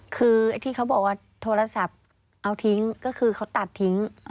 คือไอ้ที่เขาบอกว่าโทรศัพท์เอาทิ้งก็คือเขาตัดทิ้ง